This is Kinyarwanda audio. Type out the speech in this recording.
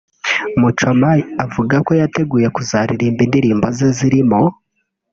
Muchoma uvuga ko yateguye kuzaririmba indirimbo ze zirimo